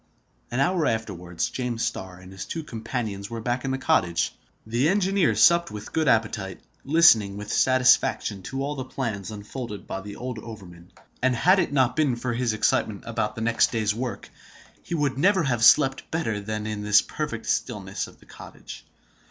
An hour afterwards, James Starr and his two companions were back in the cottage. The engineer supped with good appetite, listening with satisfaction to all the plans unfolded by the old overman; and had it not been for his excitement about the next day's work, he would never have slept better than in the perfect stillness of the cottage.